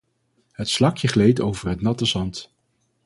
Het slakje gleed over het natte zand.